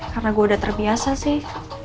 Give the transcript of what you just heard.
karena gue udah terbiasa sih